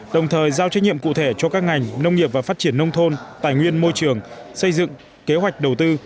đồng thời giao trách nhiệm cụ thể cho các ngành nông nghiệp và phát triển nông thôn tài nguyên môi trường xây dựng kế hoạch đầu tư